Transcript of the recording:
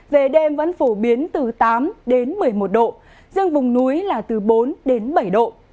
về đêm vẫn phổ biến từ tám đến một mươi một độ riêng vùng núi là từ bốn đến bảy độ